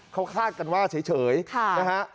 เขาคาดกันว่าเฉยนะฮะ